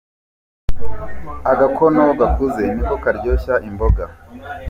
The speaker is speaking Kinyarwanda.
Agakono gakuze niko karyoshya imboga.